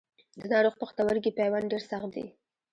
د ناروغ پښتورګي پیوند ډېر سخت دی.